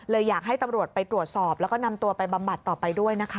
อยากให้ตำรวจไปตรวจสอบแล้วก็นำตัวไปบำบัดต่อไปด้วยนะคะ